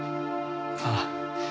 ああ。